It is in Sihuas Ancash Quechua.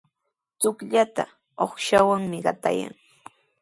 Chukllataqa uqshawanmi qatayan.